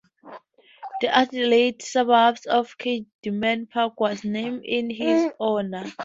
The Adelaide suburb of Kidman Park was named in his honour.